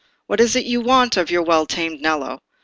"What is it you want of your well tamed Nello?